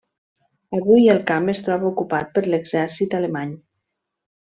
Avui el camp es troba ocupat per l'exèrcit alemany.